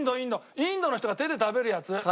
インドの人が手で食べるやつ。